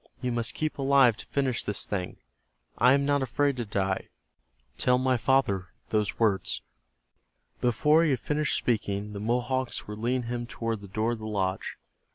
"You must keep alive to finish this thing. I am not afraid to die. Tell my father those words." Before he had finished speaking the Mohawks were leading him toward the door of the lodge.